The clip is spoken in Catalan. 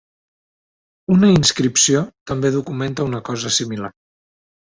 Una inscripció també documenta una cosa similar.